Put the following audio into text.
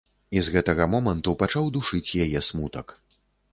І з гэтага моманту пачаў душыць яе смутак.